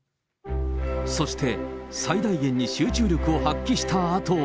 そして、最大限に集中力を発揮したあとは。